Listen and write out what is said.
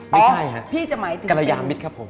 ไม่ใช่ฮะกรยามิตครับผม